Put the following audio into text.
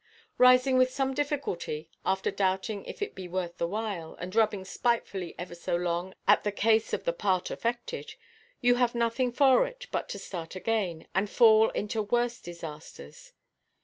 Rising with some difficulty, after doubting if it be worth the while, and rubbing spitefully ever so long at "the case of the part affected," you have nothing for it but to start again, and fall into worse disasters.